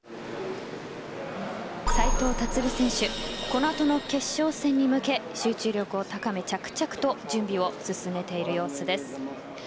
この後の決勝戦に向け集中力を高め着々と準備を進めている様子です。